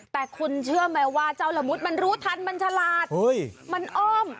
แต่คุณเชื่อไหมว่าเจ้าละมุดมันรู้ทันมันฉลาดมันอ้อม